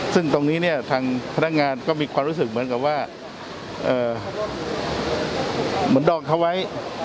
ซึ่งตรงนี้เนี่ยทางพนักงานก็มีความรู้สึกเหมือนกับว่าเหมือนดองเขาไว้